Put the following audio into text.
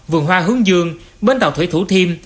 vườn hoa hướng dương bến tàu thủy thủ thiêm